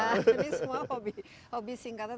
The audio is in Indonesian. ini semua hobi singkatan